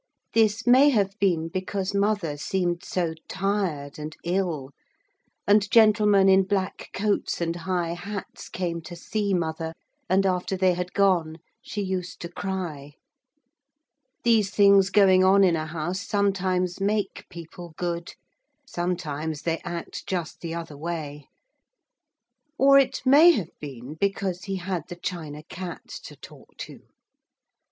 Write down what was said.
This may have been because mother seemed so tired and ill; and gentlemen in black coats and high hats came to see mother, and after they had gone she used to cry. (These things going on in a house sometimes make people good; sometimes they act just the other way.) Or it may have been because he had the China Cat to talk to.